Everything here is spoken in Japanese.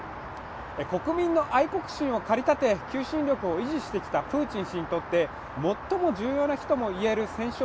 国民の愛国心を駆りたて求心力を維持してきたプーチン氏にとって最も重要な日とも言える戦勝